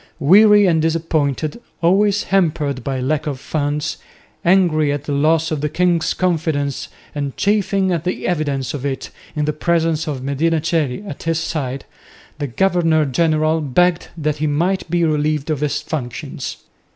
Weary and disappointed, always hampered by lack of funds, angry at the loss of the king's confidence and chafing at the evidence of it in the presence of Medina Coeli at his side, the governor general begged that he might be relieved of his functions.